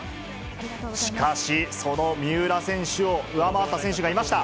しかし、その三浦選手を上回った選手がいました。